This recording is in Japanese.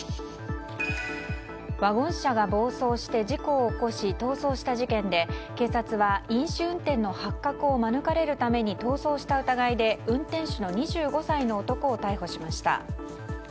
ワゴン車が暴走して事故を起こし逃走した事件で警察は、飲酒運転の発覚を免れるために逃走した疑いで運転手の２５歳の男を逮捕しました。